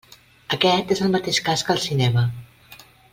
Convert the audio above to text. Aquest és el mateix cas que el cinema.